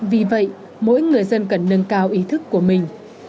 vì vậy mỗi người dân cần nâng cao ý thức của mình